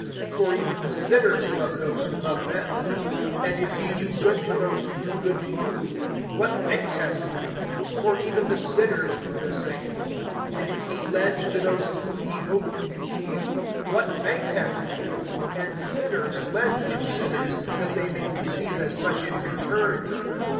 For even the sinners love those who love them. (33)And if ye do good to those who do good to you, what thanks have ye? For even the sinners do the same. (34)And if ye lend to those of whom ye hope to receive, what thanks have ye? And sinners lend to sinners, that they may receive as much in return.